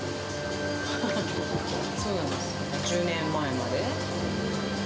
１０年前まで。